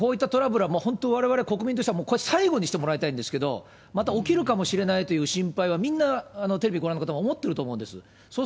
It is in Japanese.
こういう問題、われわれ国民としては最後にしてもらいたいんですけれども、また起きるかもしれないという心配はみんな、テレビご覧の方も思ってると思うんです。